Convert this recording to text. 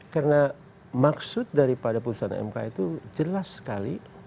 karena maksud dari pada putusan ms itu jelas sekali